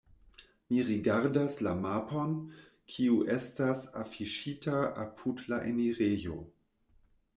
Mi rigardas la mapon, kiu estas afiŝita apud la enirejo.